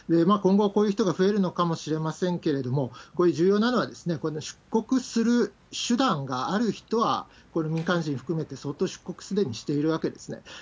今後はこういう人が増えるのかもしれませんけれども、重要なのは、この出国する手段がある人はこれ、民間人含めて相当すでに出国してるわけですね。